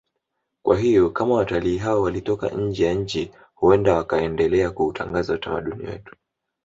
Kwa hiyo kama watalii hao walitoka nje ya nchi huenda wakaendelea kuutangaza utamaduni wetu